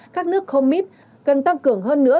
các nước comet cần tăng cường hơn nữa